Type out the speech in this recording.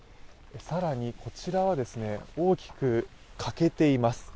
更にこちらはですね、大きく欠けています。